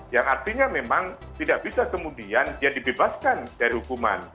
yang artinya memang tidak bisa kemudian dia dibebaskan dari hukuman